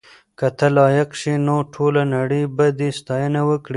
که ته لایق شې نو ټوله نړۍ به دې ستاینه وکړي.